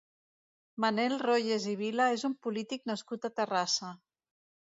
Manel Royes i Vila és un polític nascut a Terrassa.